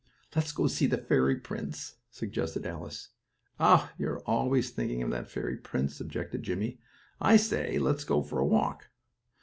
"Let's go see the fairy prince," suggested Alice. "Oh, you're always thinking of that fairy prince," objected Jimmie. "I say let's go for a walk."